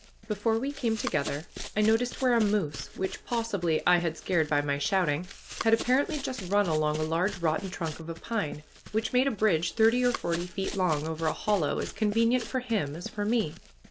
Before we came together I noticed where a moose, which possibly I had scared by my shouting, had apparently just run along a large rotten trunk of a pine, which made a bridge thirty or forty feet long over a hollow, as convenient for him as for me.